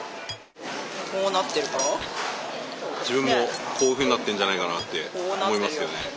自分もこういうふうになってるんじゃないかなって。